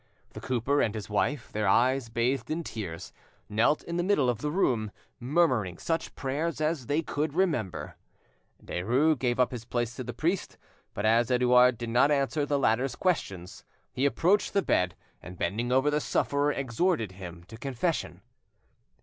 The cooper and his wife, their eyes bathed in tears, knelt in the middle of the room, murmuring such prayers as they could remember. Derues gave up his place to the priest, but as Edouard did not answer the latter's questions, he approached the bed, and bending over the sufferer, exhorted him to confession.